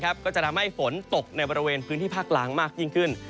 ก็จะทำให้ฝนตกในบริเวณพื้นที่ภาคล้างมากยิ่งขึ้น